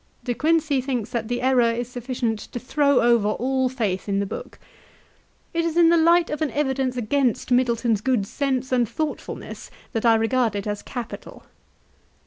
De Quincey thinks that the error is sufficient to throw over all faith in the book. "It is in the light of an evidence against Middleton's good sense and thoughtfulness that I regard it as capital."